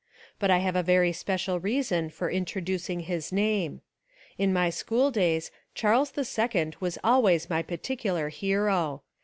But I have a special reason for Introducing his name. In my schooldays Charles II was always my particular hero.